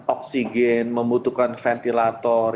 oksigen membutuhkan ventilator